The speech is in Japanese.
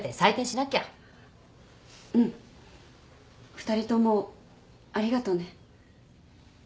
２人ともありがとね。